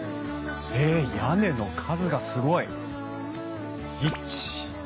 えっ屋根の数がすごい！